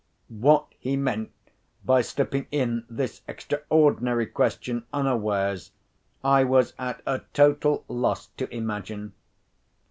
What he meant by slipping in this extraordinary question unawares, I was at a total loss to imagine.